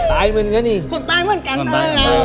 เขาเลือกแล้วนะ